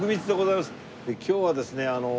今日はですね。